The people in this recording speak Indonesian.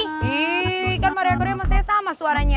ih kan maria carey emang saya sama suaranya